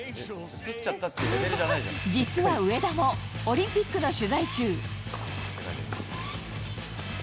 実は上田も、オリンピックの取材中。